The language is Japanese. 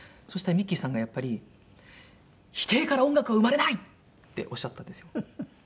そしたらミッキーさんがやっぱり「否定から音楽は生まれない！」っておっしゃったんですよ。